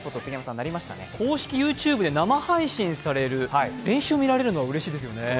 公式ＹｏｕＴｕｂｅで生配信される練習を見られるのはうれしいですよね。